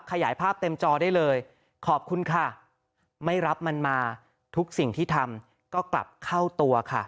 ขยายภาพเต็มจอได้เลยขอบคุณค่ะไม่รับมันมาทุกสิ่งที่ทำก็กลับเข้าตัวค่ะ